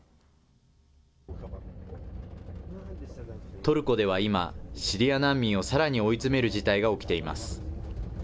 トルコでは今、シリア難民をさらに追い詰める事態が起きています。